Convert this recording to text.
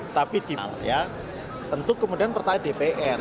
tapi di dalam ya tentu kemudian pertanyaan dpr